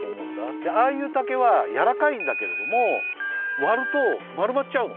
でああいう竹はやわらかいんだけれどもわるとまるまっちゃうの。